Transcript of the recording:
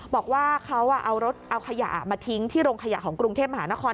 บอกว่าเขาเอารถเอาขยะมาทิ้งที่โรงขยะของกรุงเทพมหานคร